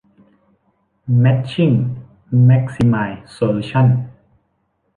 แม็ทชิ่ง แม็กซิไมซ์ โซลูชั่น